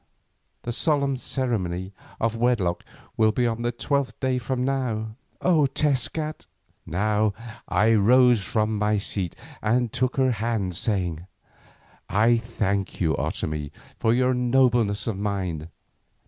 The solemn ceremony of wedlock will be on the twelfth day from now, O Tezcat." Now I rose from my seat and took her hand, saying: "I thank you, Otomie, for your nobleness of mind.